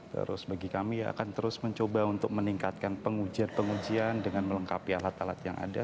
terus bagi kami akan terus mencoba untuk meningkatkan pengujian pengujian dengan melengkapi alat alat yang ada